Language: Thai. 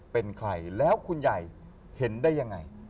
เป็นใครแล้วคุณใหญ่เห็นได้ยังไง